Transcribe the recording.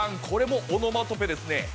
これもオノマトペですね。